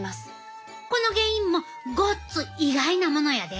この原因もごっつ意外なものやで。